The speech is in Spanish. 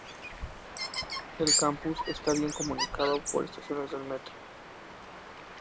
El campus está bien comunicado por estaciones del metro.